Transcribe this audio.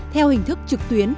theo hình thức trực tuyến